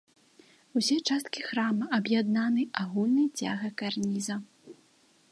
Усе часткі храма аб'яднаны агульнай цягай карніза.